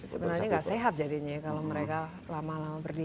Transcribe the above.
sebenarnya enggak sehat jadinya kalau mereka lama lama berdiri